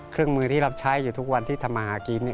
เครื่องมือที่รับใช้อยู่ทุกวันที่ทำมาหากิน